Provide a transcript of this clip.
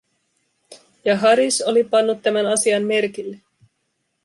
Ja Harish oli pannut tämän asian merkille.